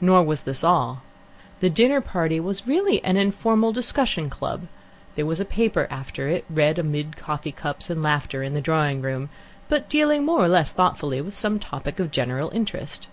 Nor was this all. The dinner party was really an informal discussion club; there was a paper after it, read amid coffee cups and laughter in the drawing room, but dealing more or less thoughtfully with some topic of general interest.